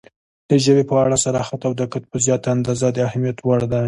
• د ژبې په اړه صراحت او دقت په زیاته اندازه د اهمیت وړ دی.